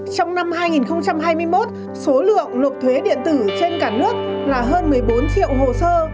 trong năm hai nghìn hai mươi một số lượng nộp thuế điện tử trên cả nước là hơn một mươi bốn triệu hồ sơ